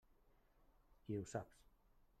I ho saps.